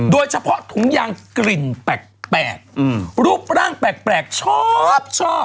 โดยเฉพาะถุงยางกลิ่นแปลกรูปร่างแปลกชอบชอบ